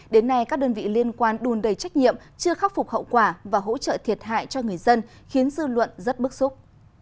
đến nay các đơn vị liên quan đùn đầy trách nhiệm chưa khắc phục hậu quả và hỗ trợ thiệt hại cho người dân khiến dư luận rất bức xúc